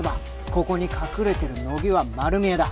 ここに隠れてる乃木は丸見えだ